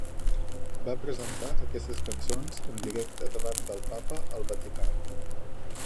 Va presentar aquestes cançons en directe davant del Papa al Vaticà.